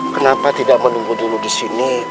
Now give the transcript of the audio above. kenapa tidak menunggu dulu disini